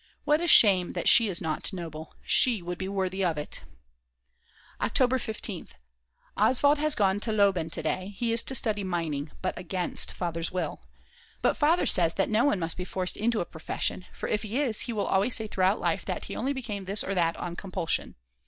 What a shame that she is not noble! She would be worthy of it!! October 15th. Oswald has gone to Leoben to day, he is to study mining, but against Father's will. But Father says that no one must be forced into a profession, for if he is he will always say throughout life that he only became this or that on compulsion.